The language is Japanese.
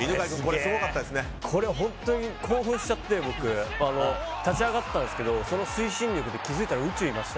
これ、本当に興奮しちゃって立ち上がったんですけどその推進力で気づいたら宇宙にいました。